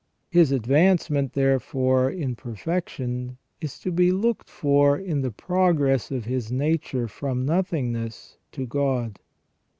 His advancement, therefore, in perfection is to be looked for in the progress of his nature from nothingness to God.